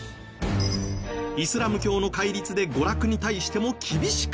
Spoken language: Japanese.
イスラム教の戒律で娯楽に対しても厳しかった。